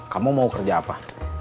kamu mau kerja apa